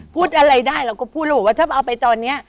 พูดอะไรได้เราก็พูดแล้วบอกว่าถ้าเอาไปตอนนี้